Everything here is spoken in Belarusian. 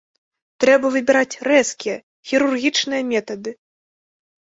Трэба выбіраць рэзкія, хірургічныя метады.